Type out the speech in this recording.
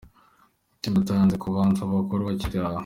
Ati ndanze kubanza Abakuru bakiri aho.